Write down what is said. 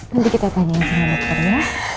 nanti kita tanyain sama dokternya